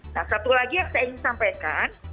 nah satu lagi yang saya ingin sampaikan